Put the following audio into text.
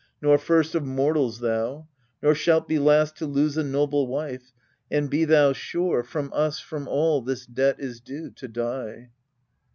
Nor first of mortals thou, nor shalt be last To lose a noble wife ; and, be thou sure, From us, from all, this debt is due to die.